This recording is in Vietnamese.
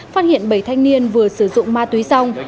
phát hiện bảy thanh niên vừa sử dụng ma túy xong